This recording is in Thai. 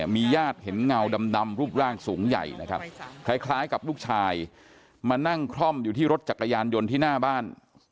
มีญาติเห็นเงาดำรูปร่างสูงใหญ่นะครับคล้ายกับลูกชายมานั่งคล่อมอยู่ที่รถจักรยานยนต์ที่หน้าบ้าน